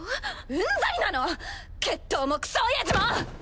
うんざりなの決闘もクソおやじも！